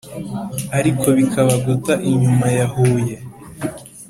ariko bikaba guta inyuma ya huye!